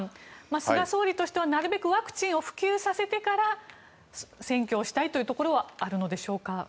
菅総理としてはなるべくワクチンを普及させてから選挙をしたいというところはあるんでしょうか？